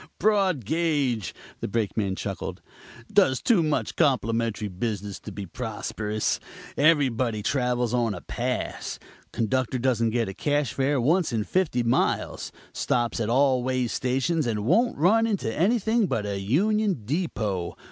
"Broad gauge," the Brakeman chuckled; "does too much complimentary business to be prosperous. Everybody travels on a pass. Conductor doesn't get a cash fare once in fifty miles. Stops at all way stations and won't run into anything but a union depot.